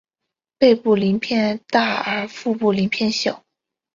背部鳞片大而腹部鳞片小。